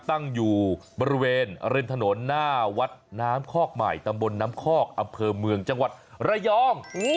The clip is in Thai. ตั้งอยู่บริเวณริมถนนหน้าวัดน้ำคอกใหม่ตำบลน้ำคอกอำเภอเมืองจังหวัดระยอง